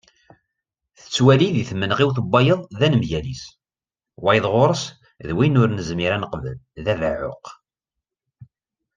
Tettwali deg tmenɣiwt n wayeḍ d anemgal-is: wayeḍ ɣur-s, d win ur nezmir ad neqbel, d abeɛɛuq.